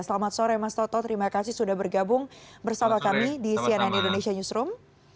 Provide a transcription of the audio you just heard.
selamat sore mas toto terima kasih sudah bergabung bersama kami di cnn indonesia newsroom